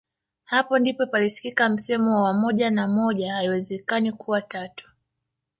Hapo ndipo palisikika msemo wa moja na moja haiwezekani kuwa tatu